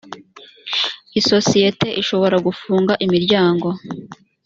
isosiyete ishobora gufunga imiryango.